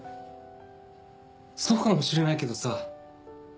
そうかもしれないけどさ。